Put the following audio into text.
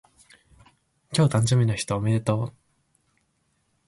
今日誕生日の人おめでとう